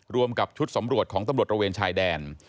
รวมกับชุดสำรวจของตำรวจระเวนชายแดน